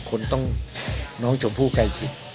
คนต้องน้องเจ้าผู้ใกล้ชิด